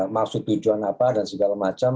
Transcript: maksud tujuan apa dan segala macam